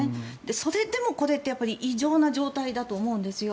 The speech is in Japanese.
それでも、これって異常な状態だと思うんですよ。